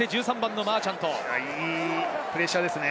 いいプレッシャーですね。